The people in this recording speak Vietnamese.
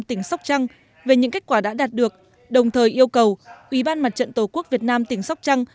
tỉnh sóc trăng về những kết quả đã đạt được đồng thời yêu cầu ủy ban mặt trận tổ quốc việt nam tỉnh sóc trăng